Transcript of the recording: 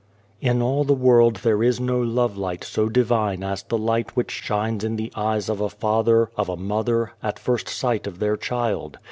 In all the world there is no lovelight so divine as the light which shines in the eyes of a father, of a mother, at first sight of their child.